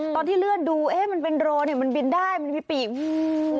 ตอนที่เลื่อนดูเอ๊ะมันเป็นโดรนเห็นมันบีนได้มันเรียกบีบบีบวูวววววว